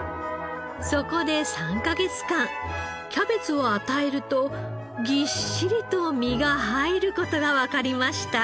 そこで３カ月間キャベツを与えるとぎっしりと身が入る事がわかりました。